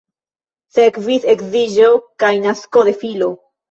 Sekvis edziĝo kaj nasko de filo.